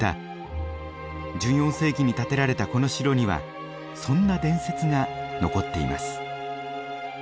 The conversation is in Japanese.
１４世紀に建てられたこの城にはそんな伝説が残っています。